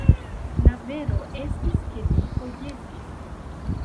La vero estis, ke li forgesis.